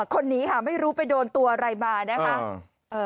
คนนี้ค่ะไม่รู้ไปโดนตัวอะไรมานะคะ